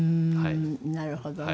なるほどね。